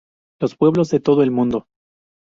Los pueblos de todo el mundo.